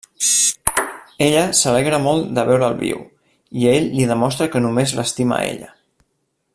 Ella s'alegra molt de veure'l viu, i ell li demostra que només l'estima a ella.